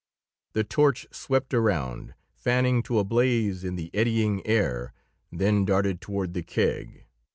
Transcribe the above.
The torch swept around, fanning to a blaze in the eddying air, then darted toward the keg.